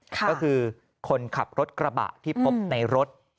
ก็คือคนขับรถกระบะที่พบในรถ